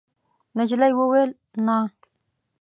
نجلۍ وویل: «نه.»